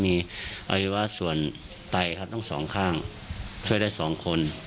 มีอวิวาส่วนไตต้อง๒ข้างช่วยได้๒คน